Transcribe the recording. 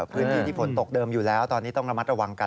พื้นที่ที่ฝนตกเดิมอยู่แล้วตอนนี้ต้องระมัดระวังกัน